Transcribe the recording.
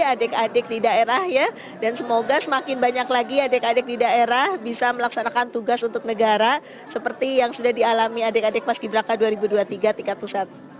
adik adik di daerah ya dan semoga semakin banyak lagi adik adik di daerah bisa melaksanakan tugas untuk negara seperti yang sudah dialami adik adik paski braka dua ribu dua puluh tiga tingkat pusat